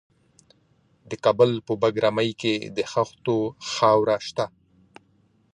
د کابل په بګرامي کې د خښتو خاوره شته.